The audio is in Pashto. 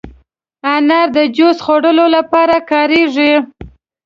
انار د جوس جوړولو لپاره کارېږي.